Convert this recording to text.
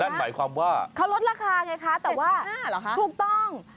นั่นหมายความว่า๗๕บาทเหรอคะถูกต้อง